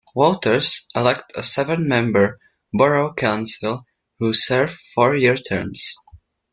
Voters elect a seven-member Borough Council who serve four-year terms.